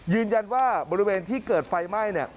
ยืนยันว่าบริเวณที่เกิดไฟไหม้เนี่ย